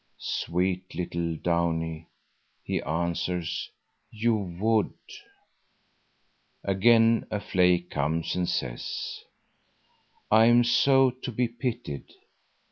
"Sweet little Downie," he answers, "you would." Again a flake comes and says: "I am so to be pitied.